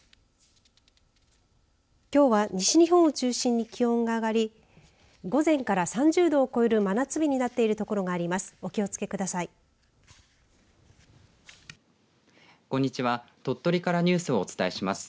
きょうは西日本を中心に気温が上がり午前から３０度を超える真夏日になっている所があります。